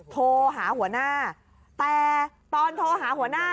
โทรหาหัวหน้าแต่ตอนโทรหาหัวหน้า